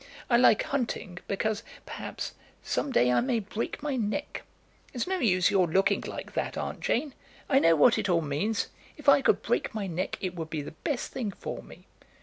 I like hunting because, perhaps, some day I may break my neck. It's no use your looking like that, Aunt Jane. I know what it all means. If I could break my neck it would be the best thing for me."